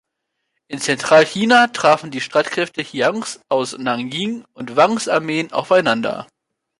In Zentralchina trafen die Streitkräfte Chiangs aus Nanjing und Wangs Armeen aufeinander.